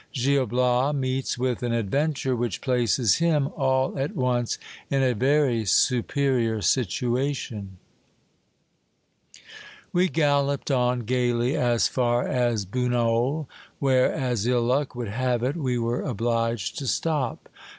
Gil Bias meets with an adventure which places him all at once in a very superior situation. We galloped on gaily as far as Bunol, where, as ill luck would have it, we were obliged to stop.